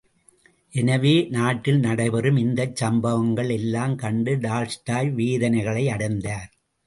எனவே, நாட்டிலே நடைபெறும் இந்தச்சம்பவங்கள் எல்லாம் கண்டு டால்ஸ்டாய் வேதனைகளை அடைந்தார்.